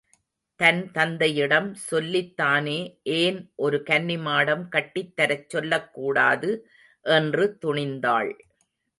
தன் தந்தையிடம் சொல்லித் தானே ஏன் ஒரு கன்னிமாடம் கட்டித் தரச் சொல்லக்கூடாது என்று துணிந்தாள்.